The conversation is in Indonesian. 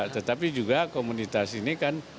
tetapi juga komunitas ini kan